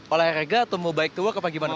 oleh rega atau mau baik to work apa gimana